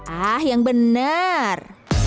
ah yang benar